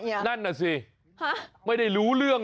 เฮ้ยเฮ้ยเฮ้ยเฮ้ยเฮ้ย